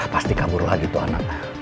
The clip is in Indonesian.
pasti kabur lagi tuh anak